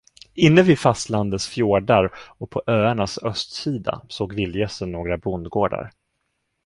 Inne vid fastlandets fjordar och på öarnas östsida såg vildgässen några bondgårdar.